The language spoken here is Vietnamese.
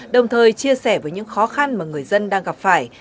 đồng thời chia sẻ với những khó khăn mà người dân đang gặp phải